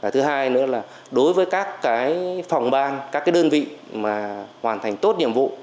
thứ hai nữa là đối với các phòng ban các đơn vị mà hoàn thành tốt nhiệm vụ